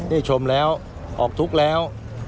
ได้ชมแล้วออกทุกข์แล้ว